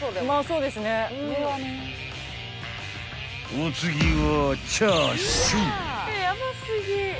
［お次は］